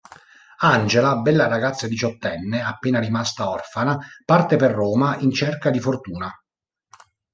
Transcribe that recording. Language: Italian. Angela, bella ragazza diciottenne appena rimasta orfana, parte per Roma in cerca di fortuna.